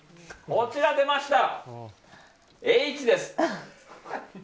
こちら出ました。